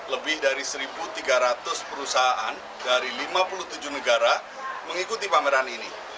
lebih dari satu tiga ratus perusahaan dari lima puluh tujuh negara mengikuti pameran ini